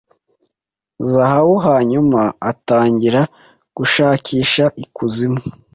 zahabu hanyuma atangira gushakisha ikuzimu